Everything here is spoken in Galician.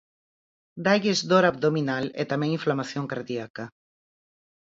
Dálles dor abdominal e tamén inflamación cardíaca.